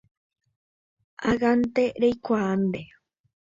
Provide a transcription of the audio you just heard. Ág̃ante reikuaáne